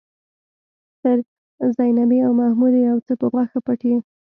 تر زينبې او محموده يو څه په غوښه پټ يې.